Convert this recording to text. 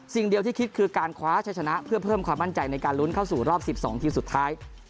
สิ่งเดียวที่คิดคือการคว้าชะชนะเพื่อเพิ่มความมั่นใจในการลุ้นเข้าสู่รอบ๑๒ทีมสุดท้าย